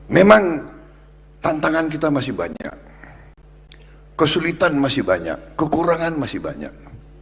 memang tantangan kita masih banyak kesulitan masih banyak kekurangan masih banyak